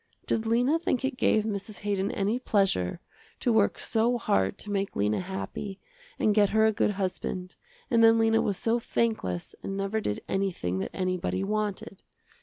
Did Lena think it gave Mrs. Haydon any pleasure, to work so hard to make Lena happy, and get her a good husband, and then Lena was so thankless and never did anything that anybody wanted.